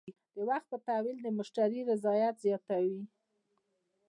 په وخت تحویل د مشتری رضایت زیاتوي.